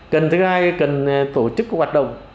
cần thứ hai là cần tổ chức hoạt động